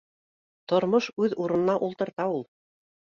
Тормош уҙ урынына ултырта ул